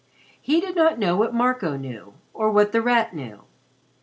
He did not know what Marco knew or what The Rat knew.